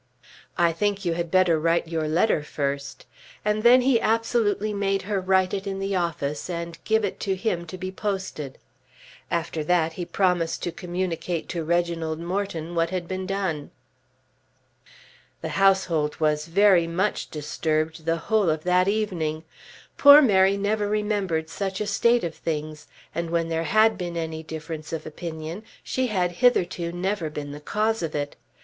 "I think you had better write your letter first," and then he absolutely made her write it in the office and give it to him to be posted. After that he promised to communicate to Reginald Morton what had been done. The household was very much disturbed the whole of that evening. Poor Mary never remembered such a state of things, and when there had been any difference of opinion, she had hitherto never been the cause of it.